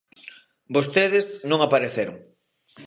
Vostedes non apareceron.